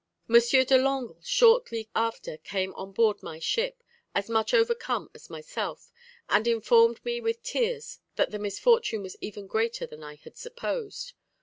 "M. de Langle shortly after came on board my ship, as much overcome as myself, and informed me with tears that the misfortune was even greater than I had supposed.